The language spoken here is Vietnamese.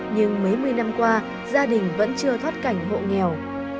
nhưng mấy mươi năm qua gia đình vẫn chưa thoát cảnh hộ nghèo